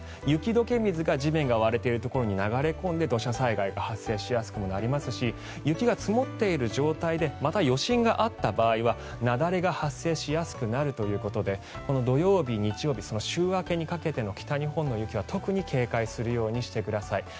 雪解け水が地面が割れているところに流れ込んで土砂災害が発生しやすくなりますし雪が積もっている状態でまた余震があった場合は、雪崩が発生しやすくなるということで土曜日、日曜日週明けにかけてに東海の雪は特に警戒するようにしてください。